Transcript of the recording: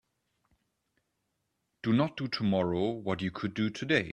Do not do tomorrow what you could do today.